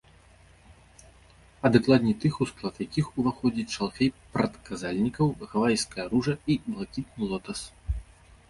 А дакладней тых, у склад якіх уваходзіць шалфей прадказальнікаў, гавайская ружа і блакітны лотас.